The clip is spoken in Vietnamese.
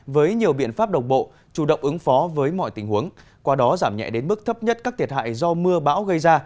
với nhiều biện pháp đồng bộ chủ động ứng phó với mọi tình huống qua đó giảm nhẹ đến mức thấp nhất các thiệt hại do mưa bão gây ra